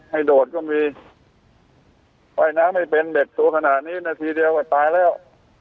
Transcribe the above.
โดดก็มีว่ายน้ำไม่เป็นเด็กสูงขนาดนี้นาทีเดียวก็ตายแล้ว